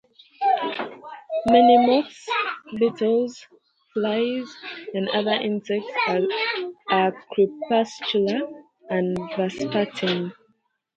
Many moths, beetles, flies, and other insects are crepuscular and vespertine.